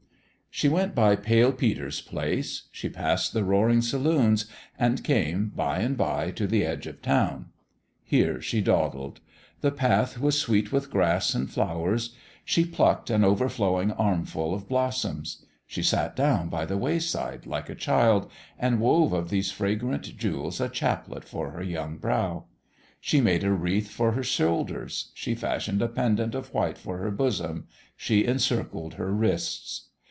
She went by Pale Peter's place ; she passed the roaring saloons, and came, by and by, to the edge of town. Here she dawdled. The path was sweet with grass and flowers. She plucked an overflowing armful of blossoms ; she sat down by the wayside, like a child, and wove of these fragrant jewels a chaplet for her young brow. SOWN IN DISHONOUR 57 She made a wreath for her shoulders, she fash ioned a pendant of white for her bosom, she en circled her wrists.